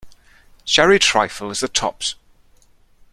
Sherry trifle is the tops!